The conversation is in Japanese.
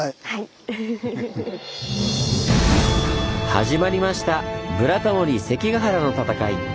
始まりました「ブラタモリ関ケ原の戦い」！